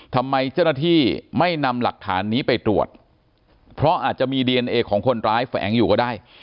ทำไมเจ้าหน้าที่ไม่นำหลักฐานนี้ไปตรวจเพราะอาจจะมีดีเอนเอของคนร้ายแฝงอยู่ก็ได้